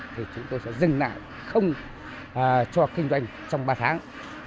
thì chúng tôi sẽ dừng lại không cho kinh doanh trong ba tháng